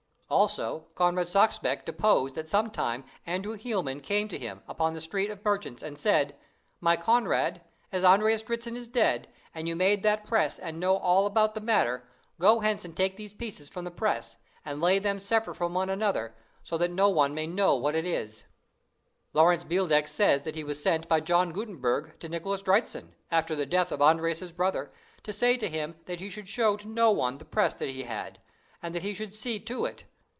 "Also Conrad Sachspach deposed that sometime Andrew Hielman came to him upon the Street of Merchants, and said, 'My Conrad, as Andreas Dritzhn is dead, and you made that press and know all about the matter, go hence and take the pieces from the press, and lay them separate from one another, so that no one may know what it is.' "Laurence Beildeck says that he was sent by John Gutenberg to Nicholas Dritzhn, after the death of Andreas his brother, to say to him that he should show to no one the press that he had, and that he should see to it.